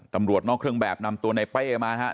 ตำรวจนอกเครื่องแบบนำตัวในเป้มานะครับ